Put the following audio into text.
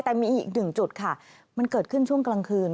แต่มีอีกหนึ่งจุดค่ะมันเกิดขึ้นช่วงกลางคืน